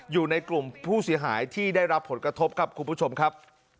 อยู่ในกลุ่มผู้เสียหายที่ได้รับผลกระทบครับคุณผู้ชมครับ